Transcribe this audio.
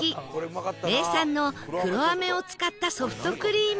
名産の黒飴を使ったソフトクリーム